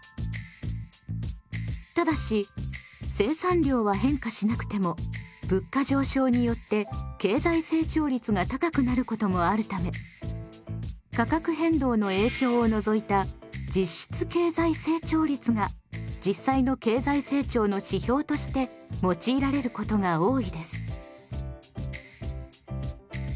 ただし生産量は変化しなくても物価上昇によって経済成長率が高くなることもあるため価格変動の影響を除いた実質経済成長率が実際の経済成長の指標として用いられることが多いです。